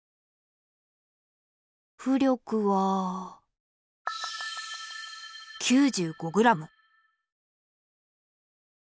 浮力は９５ｇ。